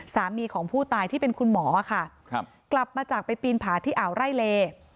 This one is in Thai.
สามีของผู้ตายที่เป็นคุณหมอค่ะครับกลับมาจากไปปีนผาที่อ่าวไร่เล